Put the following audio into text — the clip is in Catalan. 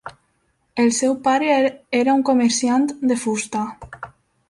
El seu pare era un comerciant de fusta.